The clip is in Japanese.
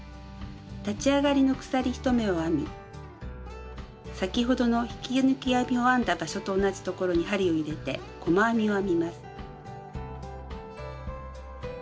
立ち上がりの鎖１目を編み先ほどの引き抜き編みを編んだ場所と同じ所に針を入れて細編みを編みます。